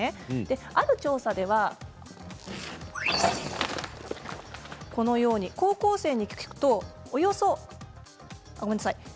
ある調査では高校生に聞くとおよそごめんなさい。